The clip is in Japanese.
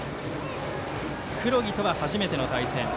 黒木とは初めての対戦。